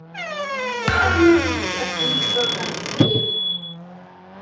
The availability of these programs varies.